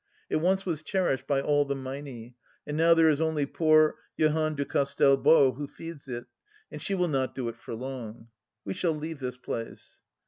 It once was cherished by all the Meinie, and now there is only Poor Jehane du Castel Beau who feeds it, and she will not do it for long. ,.. We shall leave this place